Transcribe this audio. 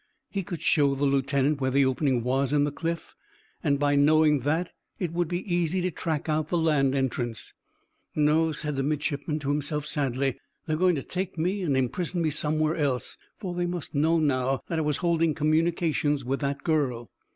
He could show the lieutenant where the opening was in the cliff, and by knowing that it would be easy to track out the land entrance. "No," said the midshipman to himself sadly; "they are going to take me and imprison me somewhere else, for they must now know that I was holding communications with that girl."